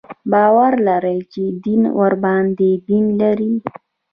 باور لري چې دین ورباندې دین لري.